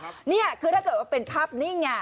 เออนี่คือถ้าเกิดว่าเป็นภาพนี้อย่างนี้